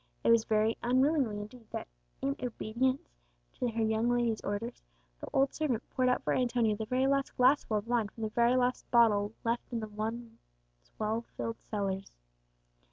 It was very unwillingly indeed that, in obedience to her young lady's orders, the old servant poured out for Antonia the very last glassful of wine from the very last bottle left in the once well filled cellars.